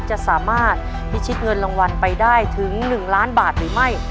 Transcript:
จะสามารถพิชิตเงินรางวัลไปได้ถึง๑ล้านบาทหรือไม่